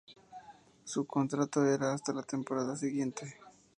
Su contrato era hasta la temporada siguiente.